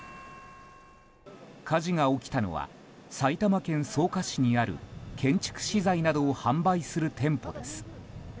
火事が起きたのは埼玉県草加市にある建築資材などを販売する店舗です。